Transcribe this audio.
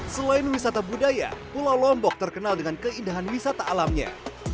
selain wisata budaya pulau lombok terkenal dengan keindahan wisata alamnya